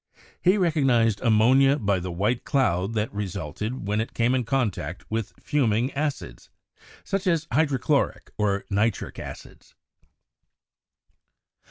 He recognised ammonia by the white cloud that re sulted when it came in contact with fuming acids, such as hydrochloric or nitric acids.